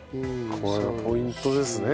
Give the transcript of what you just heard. これがポイントですね。